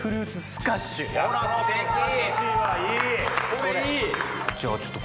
これいい。